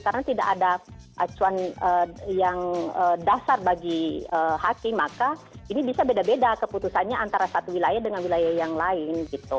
karena tidak ada acuan yang dasar bagi hakim maka ini bisa beda beda keputusannya antara satu wilayah dengan wilayah yang lain